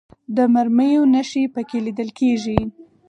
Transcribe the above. د مرمیو نښې په کې لیدل کېږي.